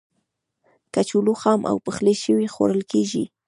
کچالو خام او پخلی شوی خوړل کېږي.